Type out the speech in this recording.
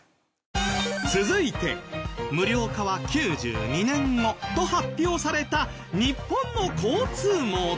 続いて無料化は９２年後と発表された日本の交通網とは？